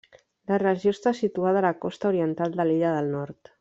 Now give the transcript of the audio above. La regió està situada a la costa oriental de l'Illa del Nord.